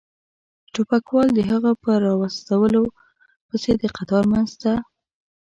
ټوپکوال د هغه په را وستلو پسې د قطار منځ ته.